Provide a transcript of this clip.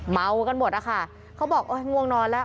เมากันหมดอะค่ะเขาบอกเอ้ยง่วงนอนแล้ว